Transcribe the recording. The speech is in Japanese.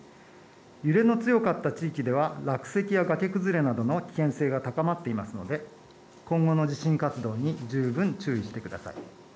揺れの強かった地域では落石や崖崩れなどの危険性が高まっていますので今後の地震活動に十分注意してください。